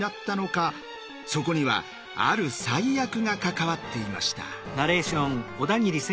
そこにはある災厄が関わっていました。